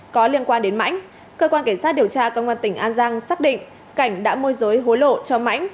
có liên quan đến mãnh cơ quan cảnh sát điều tra công an tỉnh an giang xác định cảnh đã môi giới hối lộ cho mãnh